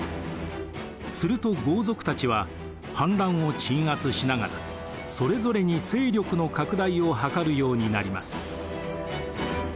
すると豪族たちは反乱を鎮圧しながらそれぞれに勢力の拡大を図るようになります。